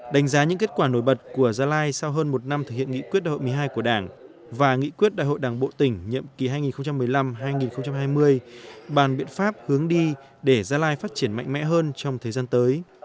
đánh giá những kết quả nổi bật của gia lai sau hơn một năm thực hiện nghị quyết đại hội một mươi hai của đảng và nghị quyết đại hội đảng bộ tỉnh nhiệm kỳ hai nghìn một mươi năm hai nghìn hai mươi bàn biện pháp hướng đi để gia lai phát triển mạnh mẽ hơn trong thời gian tới